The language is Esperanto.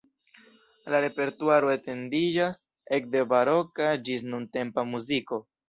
La repertuaro etendiĝas ekde baroka ĝis nuntempa muziko.